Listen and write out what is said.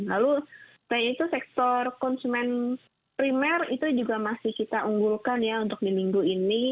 lalu selain itu sektor konsumen primer itu juga masih kita unggulkan ya untuk di minggu ini